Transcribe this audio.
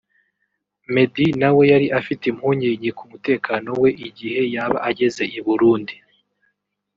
Meddy nawe yari afite impungenge ku mutekano we igihe yaba ageze i Burundi